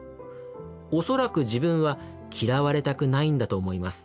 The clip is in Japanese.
おそらく自分は嫌われたくないんだと思います。